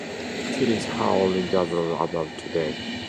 It is her only double album to date.